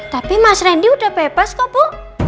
tapi mas randy udah bebas kok bu